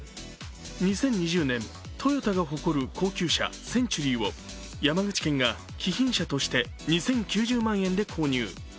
２０２０年、トヨタが誇る高級車・センチュリーを山口県が貴賓車として２０９０万円で購入。